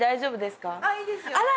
あら！